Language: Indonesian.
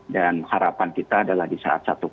dan harapan kita adalah di saat satu